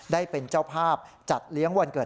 ได้เป็นเจ้าภาพจัดเลี้ยงวันเกิด